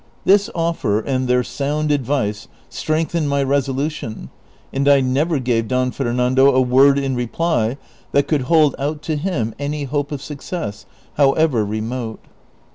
This otter, and their sound advice, strengthened my resolution, and I never gave Don Fernando a word in reply that could hold out to him any hope of success, however remote.